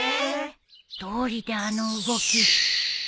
どうりであの動き